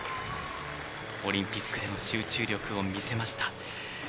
オリンピックへの集中力を見せました。